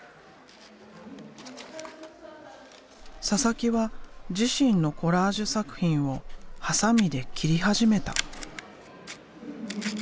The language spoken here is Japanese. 佐々木は自身のコラージュ作品をハサミで切り始めた。